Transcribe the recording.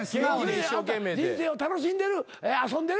人生を楽しんでる遊んでる。